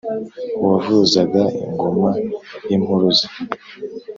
uwavuzaga ingoma y'impuruza